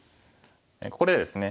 ここでですね